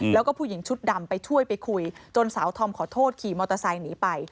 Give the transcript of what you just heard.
แล้วก็ผู้หญิงชุดดำไปช่วยไปคุยจนสาวทอมขอโทษขี่มอเตอร์ไซค์หนีไป